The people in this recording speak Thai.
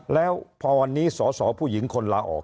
แล้วพอวันนี้สอสอผู้หญิงคนลาออก